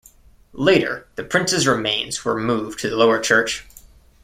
Later, the prince's remains were moved to the lower church.